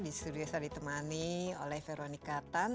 di studio saya ditemani oleh veronica tan